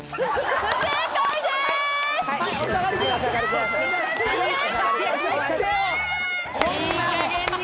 不正解です